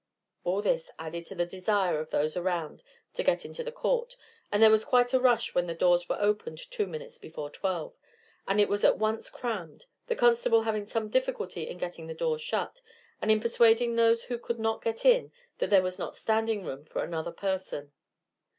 All this added to the desire of those around to get into the court, and there was quite a rush when the doors were opened two minutes before twelve, and it was at once crammed, the constable having some difficulty in getting the doors shut, and in persuading those who could not get in that there was not standing room for another person.